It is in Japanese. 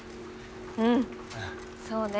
うんそうね。